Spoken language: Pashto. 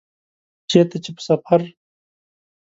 چیرته چي په سفر